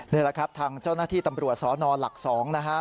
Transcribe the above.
นี่แหละครับทางเจ้าหน้าที่ตำรวจสนหลัก๒นะฮะ